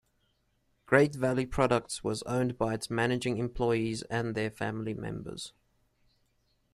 Great Valley Products was owned by its managing employees and their family members.